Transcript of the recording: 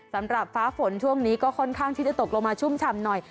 ฟ้าฝนช่วงนี้ก็ค่อนข้างที่จะตกลงมาชุ่มฉ่ำหน่อย